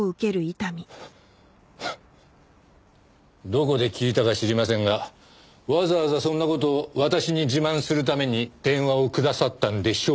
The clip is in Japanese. どこで聞いたか知りませんがわざわざそんな事を私に自慢するために電話をくださったんでしょうか？